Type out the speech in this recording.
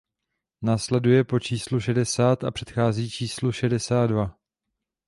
Následuje po číslu šedesát a předchází číslu šedesát dva.